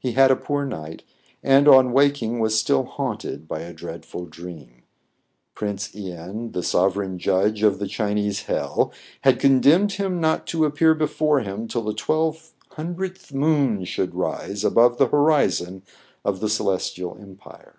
He had a poor night, and, on waking, was still haunted by a dreadful dream. Prince len, the sov ereign judge of the Chinese hell, had condemned him not to appear before him till the twelve hun dredth moon should rise above the horizon of the Celestial empire.